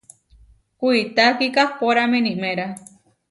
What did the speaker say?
Kuitá kikahpórame iniméra.